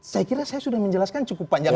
saya kira saya sudah menjelaskan cukup panjang